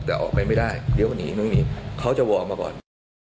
แต่ออกไปไม่ได้เดี๋ยวหนีไม่หนีเขาจะวอร์ออกมาก่อน